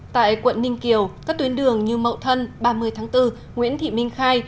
tại quận ninh kiều các tuyến đường như mậu thân ba mươi tháng bốn nguyễn thị minh khai